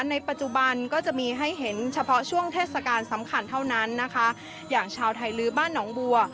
ในปัจจุบันก็จะมีให้เห็นเฉพาะช่วงเทศกาลสำคัญเท่านั้นนะคะอย่างชาวไทยลื้อบ้านหนองบัว